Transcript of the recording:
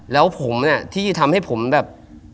แล้วผมที่ทำให้ผมแบบ